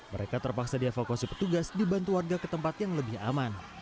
mereka terpaksa dievakuasi petugas dibantu warga ke tempat yang lebih aman